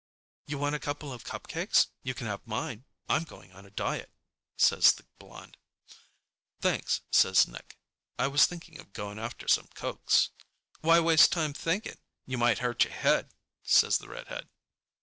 "You want a couple of cupcakes? You can have mine. I'm going on a diet," says the blonde. "Thanks," says Nick. "I was thinking of going after some cokes." "Why waste time thinking? You might hurt your head," says the redhead.